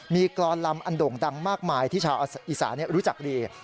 มีกรอนลำอันโด่งดังมากมายที่ชาวอีสานรู้จักดี